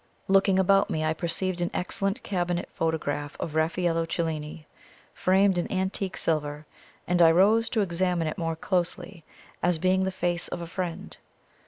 Looking about me, I perceived an excellent cabinet photograph of Raffaello Cellini, framed in antique silver; and I rose to examine it more closely, as being the face of a friend.